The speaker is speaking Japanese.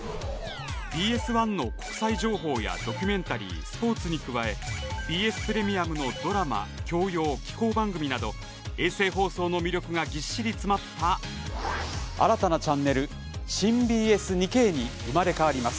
ＢＳ１の国際情報やドキュメンタリースポーツに加えＢＳプレミアムのドラマ教養、紀行番組など衛星放送の魅力がぎっしり詰まった新たなチャンネル新ＢＳ２Ｋに生まれ変わります。